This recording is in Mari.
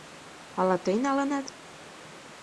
Ала тый налынат?